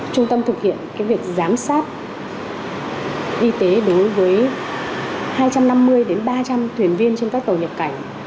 trung tâm thực hiện việc giám sát y tế đối với hai trăm năm mươi ba trăm linh thuyền viên trên các tàu nhập cảnh